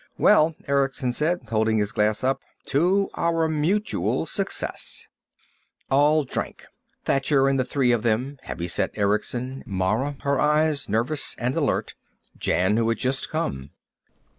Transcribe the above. "Well," Erickson said, holding his glass up. "To our mutual success." All drank, Thacher and the three of them, heavy set Erickson, Mara, her eyes nervous and alert, Jan, who had just come.